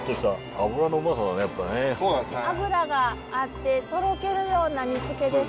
脂があってとろけるような煮つけですね。